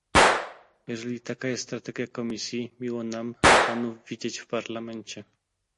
Jeżeli taka jest strategia Komisji, miło nam panów widzieć w Parlamencie